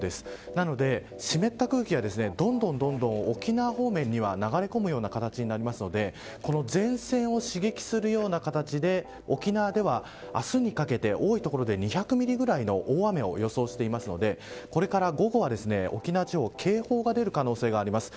なので湿った空気がどんどん沖縄方面には流れ込むような形になっているのでこの前線を刺激するような形で沖縄では明日にかけて多い所で２００ミリくらいの大雨を予想していますのでこれから午後は沖縄地方は警報が出る可能性があります。